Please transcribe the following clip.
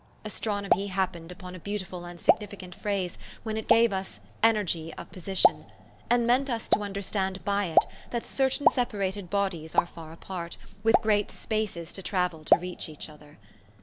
Astronomy happened upon a beautiful and signifi cant phrase when it gave us " energy of position," and meant us to understand by it that certain sepa rated bodies are far apart, with great spaces to travel to reach each other.